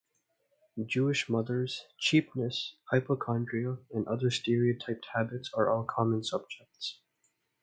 Jewish mothers, "cheapness", hypochondria, and other stereotyped habits are all common subjects.